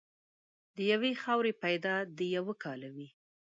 له یوې خاورې پیدا د یوه کاله وې.